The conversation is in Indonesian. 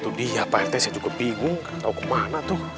itu dia pak rt saya juga bingung tau kemana tuh